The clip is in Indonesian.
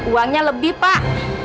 uangnya lebih pak